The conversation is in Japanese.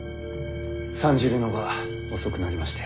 参じるのが遅くなりまして。